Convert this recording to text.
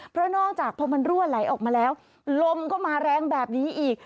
เพราะนอกจากพอมันรั่วไหลออกมาแล้วลมก็มาแรงแบบนี้อีก